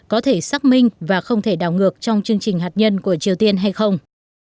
có thể xác minh và không thể đảo ngược trong chương trình hạt nhân của triều tiên hay không